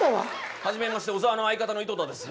初めまして小沢の相方の井戸田です。